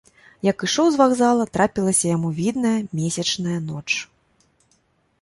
Як ішоў з вакзала, трапілася яму відная, месячная ноч.